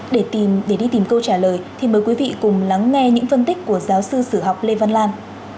để đi tìm câu trả lời thì mời quý vị cùng lắng nghe những phân tích của giáo sư sử học lê văn lan